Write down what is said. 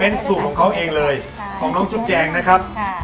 เป็นสูตรของเขาเองเลยของน้องจุ๊บแจงนะครับ